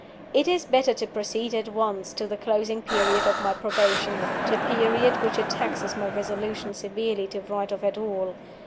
It is better to proceed at once to the closing period of my probation; to a period which it taxes my resolution severely to write of at all.